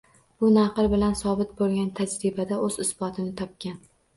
Bu, naql bilan sobit bo‘lgan, tajribada o‘z isbotini topgan.